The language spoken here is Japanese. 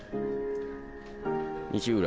西浦